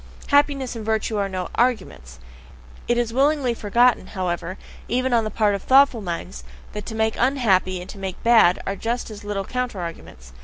Happiness and virtue are no arguments. It is willingly forgotten, however, even on the part of thoughtful minds, that to make unhappy and to make bad are just as little counter arguments.